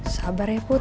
sabar ya put